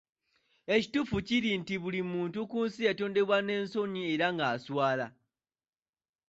Ekituufu kiri nti buli muntu ku nsi kuno yatondebwa ng'alina ensonyi era nga aswala.